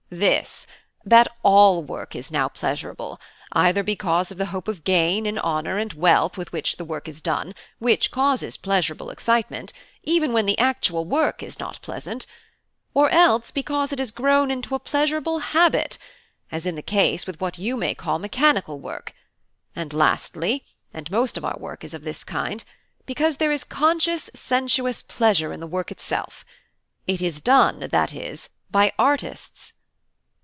"This, that all work is now pleasurable; either because of the hope of gain in honour and wealth with which the work is done, which causes pleasurable excitement, even when the actual work is not pleasant; or else because it has grown into a pleasurable habit, as in the case with what you may call mechanical work; and lastly (and most of our work is of this kind) because there is conscious sensuous pleasure in the work itself; it is done, that is, by artists."